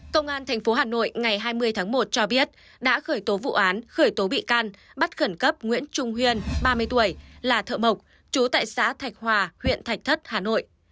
công an tp hà nội ngày hai mươi tháng một cho biết đã khởi tố vụ án khởi tố bị can bắt khẩn cấp nguyễn trung huyên ba mươi tuổi là thợ mộc trú tại xã thạch hòa huyện thạch thất hà nội